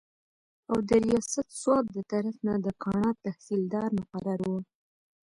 او د رياست سوات دطرف نه د کاڼا تحصيلدار مقرر وو